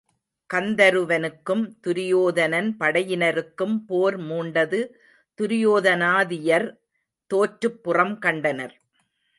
கந்தருவனுக்கும் துரியோதனன் படையினருக்கும் போர் மூண்டது துரியோதனாதியர் தோற்றுப் புறம் கண்டனர்.